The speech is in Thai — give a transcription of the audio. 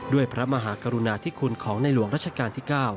พระมหากรุณาธิคุณของในหลวงรัชกาลที่๙